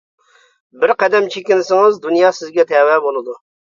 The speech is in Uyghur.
بىر قەدەم چېكىنسىڭىز دۇنيا سىزگە تەۋە بولىدۇ.